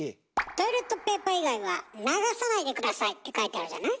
「トイレットペーパー以外は流さないでください」って書いてあるじゃない？